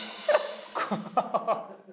ハハハ。